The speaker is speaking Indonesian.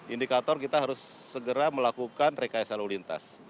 indikator kita harus segera melakukan rekayasa lalu lintas